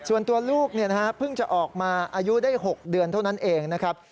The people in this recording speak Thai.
ส่วนตัวลูกเพิ่งจะออกมาอายุได้๖เดือนเท่านั้นเองนะครับ